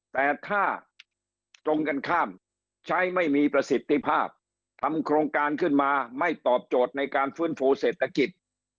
แต่ถ้าตรงกันข้ามใช้ไม่มีประสิทธิภาพทำโครงการขึ้นมาไม่ตอบโจทย์ในการฟื้นฟูเศรษฐกิจ